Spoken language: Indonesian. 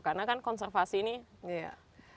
karena kan konservasi ini panjang tetapi